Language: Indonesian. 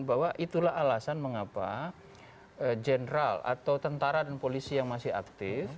bahwa itulah alasan mengapa general atau tentara dan polisi yang masih aktif